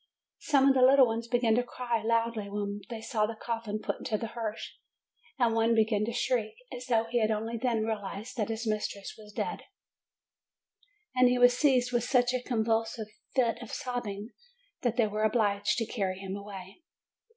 Some of the little ones began to cry loudly when they saw the coffin put into the hearse, and one began to shriek, as though he had only then realized that his mistress was dead; and he was seized with such a convulsive fit of sobbing, that they were obliged to carry him away.